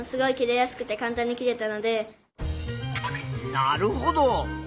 なるほど。